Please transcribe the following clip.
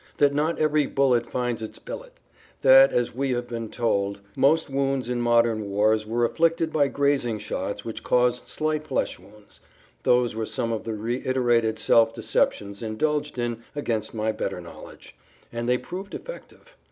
That not every bullet finds its billet; that, as we had been told, most wounds in modern wars were afflicted by grazing shots which caused[Pg 9] slight flesh wounds; those were some of the reiterated self deceptions indulged in against my better knowledge. And they proved effective.